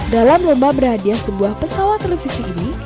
dalam lomba berhadia sebuah pesawat televisi indonesia